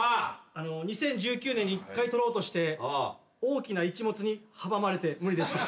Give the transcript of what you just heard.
あの２０１９年に１回取ろうとして大きないちもつに阻まれて無理でした。